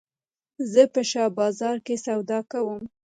زه په شاه بازار کښي سودا کوم.